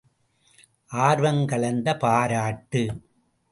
ஆர்வங் கலந்த பாராட்டு!